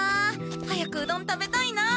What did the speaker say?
早くうどん食べたいな。